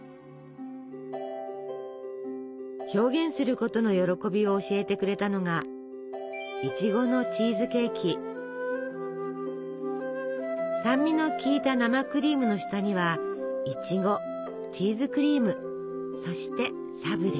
表現することの喜びを教えてくれたのが酸味の効いた生クリームの下にはいちごチーズクリームそしてサブレ。